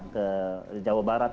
ke jawa barat